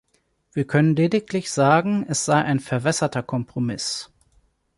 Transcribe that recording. Wir können lediglich sagen, es sei ein verwässerter Kompromiss.